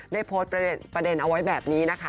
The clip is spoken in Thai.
ได้โพสต์ประเด็นเอาไว้แบบนี้นะคะ